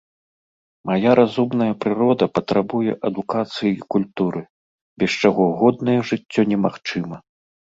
Мая разумная прырода патрабуе адукацыі і культуры, без чаго годнае жыццё немагчыма.